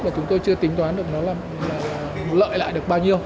và chúng tôi chưa tính toán được nó là lợi lại được bao nhiêu